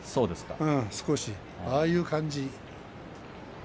少しああいう感じ。